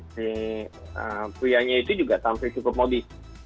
si prianya itu juga tampil cukup modis